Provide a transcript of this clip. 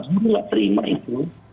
buruklah terima itu